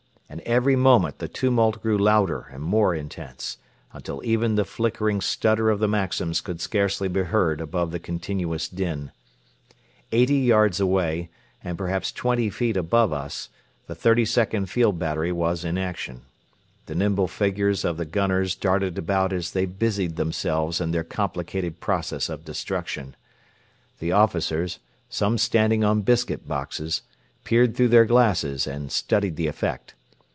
And every moment the tumult grew louder and more intense, until even the flickering stutter of the Maxims could scarcely be heard above the continuous din. Eighty yards away, and perhaps twenty feet above us, the 32nd Field Battery was in action. The nimble figures of the gunners darted about as they busied themselves in their complicated process of destruction. The officers, some standing on biscuit boxes, peered through their glasses and studied the effect.